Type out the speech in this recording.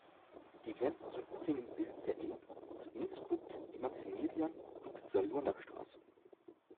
Die Grenze zu Hötting bildet der Inn, zu Innsbruck die Maximilian- und Salurner Straße.